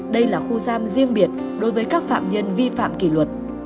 đây là khu giam riêng biệt đối với các phạm nhân vi phạm kỷ luật